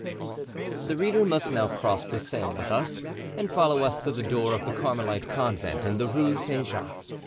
The reader must now cross the Seine with us and follow us to the door of the Carmelite Convent in the Rue Saint Jacques.